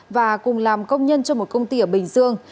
và cùng làm công nhân cho một công ty ở bình dương